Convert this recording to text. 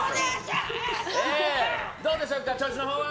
どうでしょうか、調子のほうは。